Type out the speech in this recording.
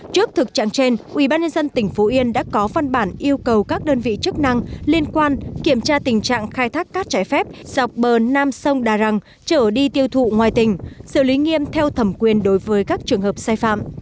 trước thực trạng trên ubnd tỉnh phú yên đã có phân bản yêu cầu các đơn vị chức năng liên quan kiểm tra tình trạng khai thác cát trái phép dọc bờ nam sông đà răng trở đi tiêu thụ ngoài tỉnh xử lý nghiêm theo thẩm quyền đối với các trường hợp sai phạm